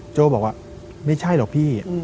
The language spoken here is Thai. โจ้บอกว่าไม่ใช่หรอกพี่